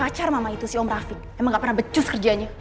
pacar mama itu si om rafiq emang gak pernah becus kerjanya